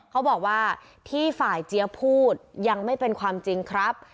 เขาบอกว่าที่ฝ่ายเจี๊ยบพูดยังไม่เป็นความจริงครับ